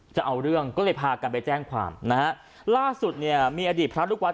จะเอาเรื่องก็เลยพากันไปแจ้งความนะฮะล่าสุดเนี่ยมีอดีตพระลูกวัด